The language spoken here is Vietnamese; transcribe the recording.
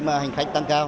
khi mà hành khách tăng cao